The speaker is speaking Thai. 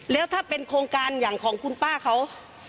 แล้วถ้าเป็นโครงการอย่างของคุณป้าเขา